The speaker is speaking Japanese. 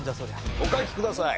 お書きください。